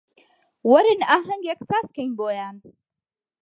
وەرن ئاهەنگێک سازکەین بۆیان